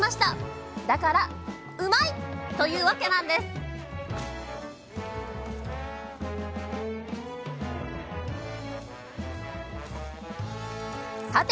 だからうまいッ！というわけなんですさて